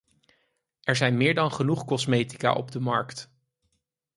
Er zijn meer dan genoeg cosmetica op de markt.